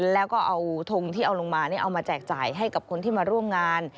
แล้วก็เอาทงที่เอาลงมาเอามาแจกจ่ายให้กับคนที่มาร่วมงาน